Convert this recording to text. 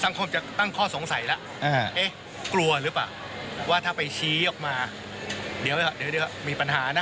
คงจะตั้งข้อสงสัยแล้วเอ๊ะกลัวหรือเปล่าว่าถ้าไปชี้ออกมาเดี๋ยวมีปัญหานะ